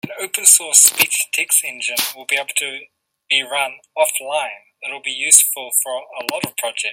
El Aeropuerto tiene un solo proveedor de petróleo y servicios de mantenimiento limitados.